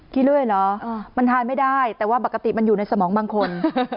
เลื่อยเหรอมันทานไม่ได้แต่ว่าปกติมันอยู่ในสมองบางคน